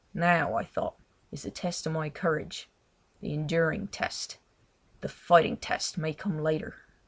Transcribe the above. Now, I thought, is the test of my courage—the enduring test: the fighting test may come later!